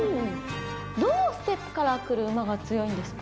どのステップからくる馬が強いんですか？